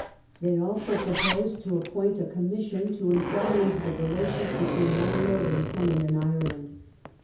They also proposed to appoint a Commission to enquire into the relations between landlord and tenant in Ireland.